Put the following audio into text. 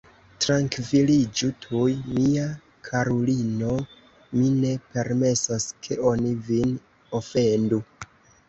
Trankviliĝu tuj, mia karulino, mi ne permesos, ke oni vin ofendu.